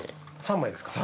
３枚ですか。